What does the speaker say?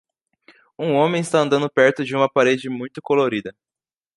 Um homem está andando perto de uma parede muito colorida.